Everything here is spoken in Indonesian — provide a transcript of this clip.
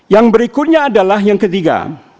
yang berikutnya adalah yang ketiga